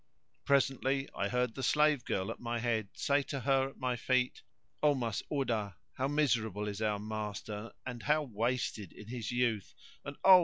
Presently I heard the slave girl at my head say to her at my feet, "O Mas'udah, how miserable is our master and how wasted in his youth and oh!